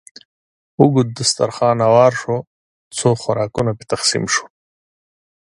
اوږد دسترخوان هوار شو، څو خوراکونه پرې تقسیم شول.